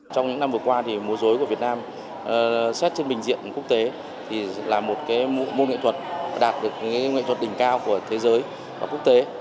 trong những năm vừa qua múa dối của việt nam xét trên bình diện quốc tế là một môn nghệ thuật đạt được nghệ thuật đỉnh cao của thế giới và quốc tế